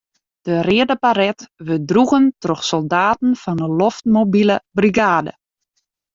De reade baret wurdt droegen troch soldaten fan 'e loftmobile brigade.